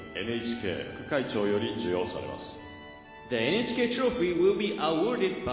ＮＨＫ副会長より授与されます。